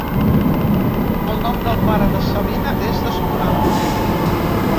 El nom del pare de Sabina és desconegut.